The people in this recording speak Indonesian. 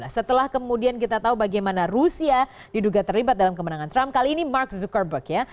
setelah kemudian kita tahu bagaimana rusia diduga terlibat dalam kemenangan trump kali ini mark zuckerberg ya